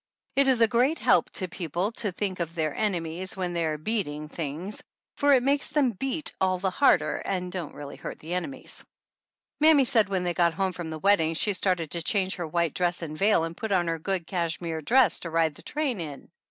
It is a great help to people to think of their enemies when they are beating things, for it makes them beat all the harder and don't really hurt the enemies. Mammy said when they got home from the wedding she started to change her white dress and veil and put on her good cashmere dress to 99 THE ANNALS OF ANN ride on the train in.